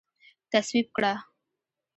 تصویب کړه